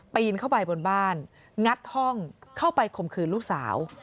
นเข้าไปบนบ้านงัดห้องเข้าไปคมคืนลูกสาว